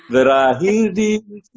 berakhir di tim hujan